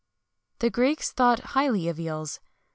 [XXI 122] The Greeks thought highly of eels.